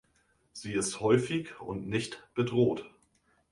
Sie ist häufig und nicht bedroht.